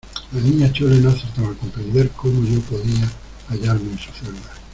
la Niña Chole no acertaba a comprender cómo yo podía hallarme en su celda